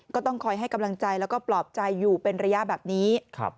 ก็ต้องคอยให้กำลังใจแล้วก็ปลอบใจอยู่เป็นระยะแบบนี้